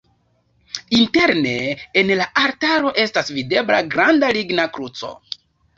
Interne en la altaro estas videbla granda ligna kruco.